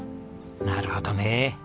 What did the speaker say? なるほどね。